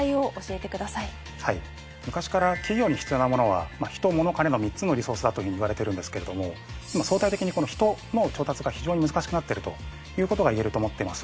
昔から企業に必要なものは「人・物・金」の３つのリソースだというふうに言われているんですけれども今相対的に「人」の調達が非常に難しくなってるということが言えると思っています。